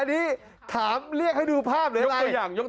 อันนี้ถามเรียกให้ดูภาพเลย